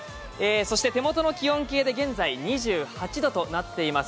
手元の気温計で現在２８度となっています。